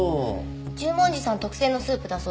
十文字さん特製のスープだそうです。